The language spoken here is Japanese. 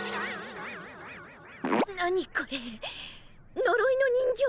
何これのろいの人形？